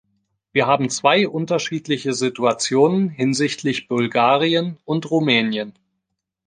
Wir haben zwei unterschiedliche Situationen hinsichtlich Bulgarien und Rumänien.